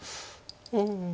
うん。